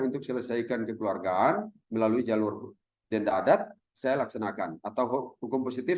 untuk selesaikan kekeluargaan melalui jalur denda adat saya laksanakan atau hukum positif